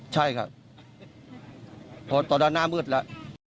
ใช่ครับแต่ว่าตอนหน้ามืดแล้ว